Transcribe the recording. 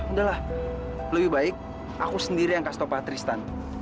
udah lah lebih baik aku sendiri yang kastopatristan